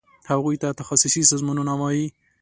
هغوی ته تخصصي سازمانونه وایي.